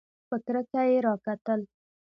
په کرکه یې راکتل !